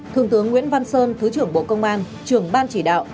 thượng tướng nguyễn văn sơn thứ trưởng bộ công an trưởng ban chỉ đạo